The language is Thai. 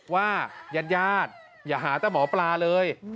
ญาติอย่าหาแต่หมอปลาเลย